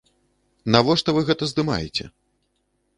Навошта вы гэта здымаеце?